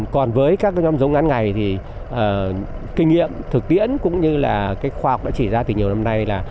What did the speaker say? còn với các cái nhóm giống ngắn ngày thì kinh nghiệm thực tiễn cũng như là khoa học đã chỉ ra từ nhiều năm nay là